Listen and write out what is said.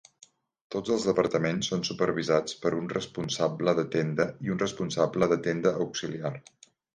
Tots els departaments són supervisats per un Responsable de Tenda i un Responsable de Tenda Auxiliar.